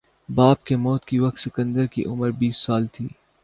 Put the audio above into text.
باپ کی موت کے وقت سکندر کی عمر بیس سال تھی